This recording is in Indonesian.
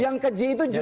yang keji itu justru